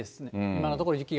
今のところ雪が。